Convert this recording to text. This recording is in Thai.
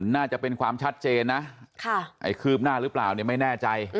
น่าจะเป็นความชัดเจนนะไอ้คืบหน้าหรือเปล่าเนี่ยไม่แน่ใจ